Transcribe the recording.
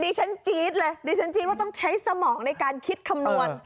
ฉันจี๊ดเลยดิฉันจี๊ดว่าต้องใช้สมองในการคิดคำนวณ